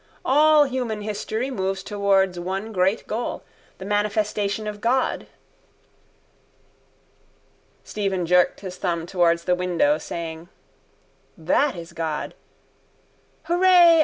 All human history moves towards one great goal, the manifestation of God. Stephen jerked his thumb towards the window, saying: —That is God. Hooray!